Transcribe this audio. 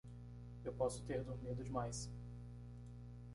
Eu posso ter dormido demais.